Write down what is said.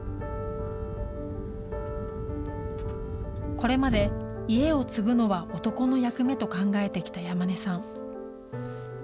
これまで、家を継ぐのは男の役目と考えてきた山根さん。